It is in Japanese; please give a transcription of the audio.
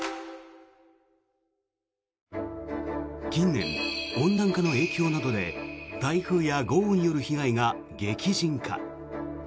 近年、温暖化の影響などで台風や豪雨による被害が激甚化。